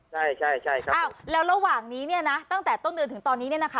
ใช่ใช่ครับอ้าวแล้วระหว่างนี้เนี่ยนะตั้งแต่ต้นเดือนถึงตอนนี้เนี่ยนะคะ